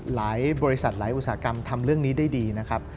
หลายบริษัทหลายอุตสาหกรรมทำเรื่องนี้ได้ดีนะครับ